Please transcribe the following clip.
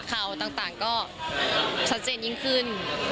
ข่าวต่างก็ชัดเจนยิ่งขึ้น